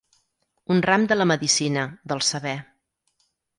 Un ram de la medicina, del saber.